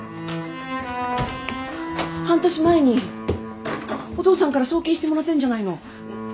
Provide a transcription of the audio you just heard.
半年前にお父さんから送金してもらってんじゃないの。